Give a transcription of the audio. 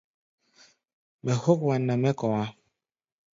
Mɛ hók wan nɛ mɛ́ kɔ̧á̧.